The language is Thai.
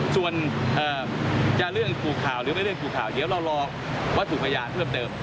ส่วนจะเรื่องถูกข่าวหรือไม่เรื่องถูกข่าวเดี๋ยวเรารอวัตถุพยานเพิ่มเติม